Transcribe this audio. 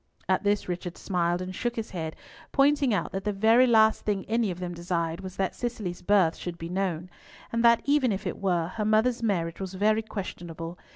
At this Richard smiled and shook his head, pointing out that the very last thing any of them desired was that Cicely's birth should be known; and that even if it were, her mother's marriage was very questionable.